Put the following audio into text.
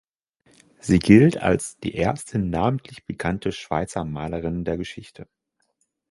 Sie gilt als die erste namentlich bekannte Schweizer Malerin der Geschichte.